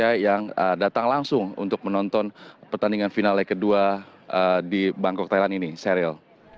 mereka yang datang langsung untuk menonton pertandingan final leg kedua di bangkok thailand ini serial